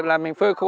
là mình phơi khô